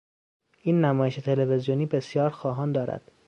این نمایش تلویزیونی بسیار خواهان دارد.